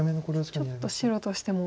ちょっと白としても。